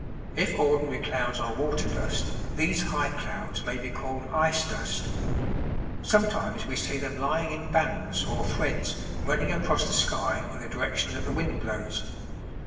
If ordinary clouds are water dust these high clouds may be called ice dust. Sometimes we see them lying in bands or threads running across the sky in the direction that the wind blows.